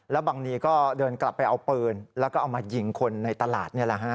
แล้วบังนีก็เดินกลับไปเอาปืนแล้วก็เอามายิงคนในตลาดนี่แหละฮะ